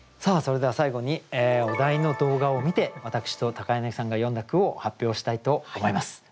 それでは最後にお題の動画を観て私と柳さんが詠んだ句を発表したいと思います。